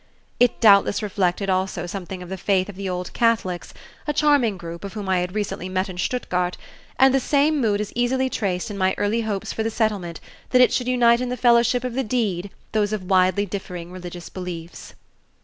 It doubtless reflected also something of the faith of the Old Catholics, a charming group of whom I had recently met in Stuttgart, and the same mood is easily traced in my early hopes for the Settlement that it should unite in the fellowship of the deed those of widely differing religious beliefs.